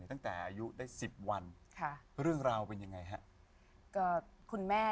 ตั้งแต่อายุได้๑๐วัน